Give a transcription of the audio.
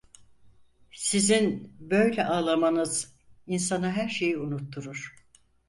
Sizin böyle ağlamanız insana her şeyi unutturur.